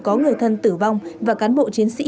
có người thân tử vong và cán bộ chiến sĩ